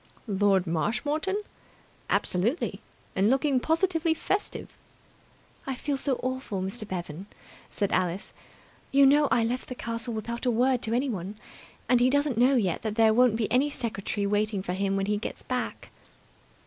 "Lord Marshmoreton!" "Absolutely! And looking positively festive." "I feel so awful, Mr. Bevan," said Alice. "You know, I left the castle without a word to anyone, and he doesn't know yet that there won't be any secretary waiting for him when he gets back."